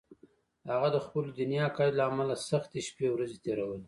هغه د خپلو دیني عقایدو له امله سختې شپې ورځې تېرولې